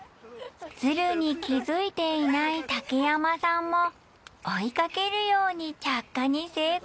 ズルに気づいていない竹山さんもいかけるように着火に成功